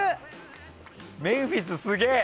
メンフィス、すげえ！